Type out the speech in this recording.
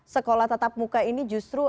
sekolah tatap muka ini justru